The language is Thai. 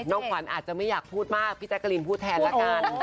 น้องขวัญอาจจะไม่อยากพูดมากพี่แจ๊กกะลินพูดแทนละกัน